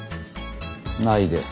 ないです。